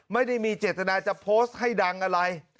ไม่ได้มีเจตนาจะโพสต์ให้ดังอะไร